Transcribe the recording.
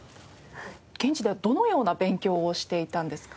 現地ではどのような勉強をしていたんですか？